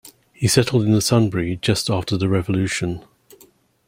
He settled in the Sunbury just after the Revolution.